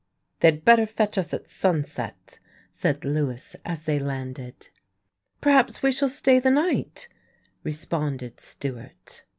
"They had better fetch us at sunset," said Lewis as they landed. "Perhaps we shall stay the night," responded Stewart.